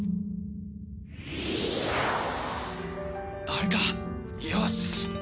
あれかよし！